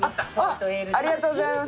ありがとうございます。